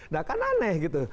nah kan aneh gitu